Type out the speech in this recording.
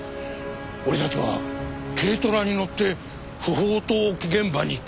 俺たちは軽トラに乗って不法投棄現場に来ている。